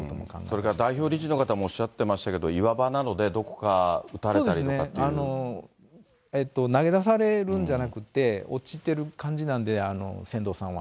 それから代表理事の方もおっしゃっていましたけれども、岩場なので、投げ出されるんじゃなくて、落ちてる感じなんで、船頭さんは。